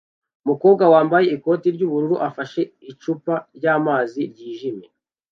Umukobwa wambaye ikote ry'ubururu afashe icupa ry'amazi ryijimye